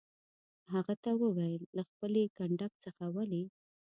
هغه ته وویل: له خپل کنډک څخه ولې.